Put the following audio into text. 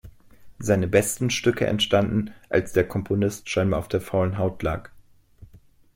Seine besten Stücke entstanden, als der Komponist scheinbar auf der faulen Haut lag.